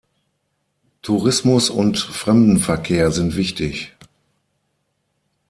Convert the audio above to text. Tourismus und Fremdenverkehr sind wichtig.